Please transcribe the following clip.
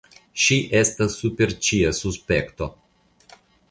Ŝi estas super ĉia suspekto.